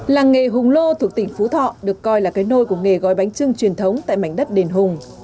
làng nghề hùng lô thuộc tỉnh phú thọ được coi là cái nôi của nghề gói bánh trưng truyền thống tại mảnh đất đền hùng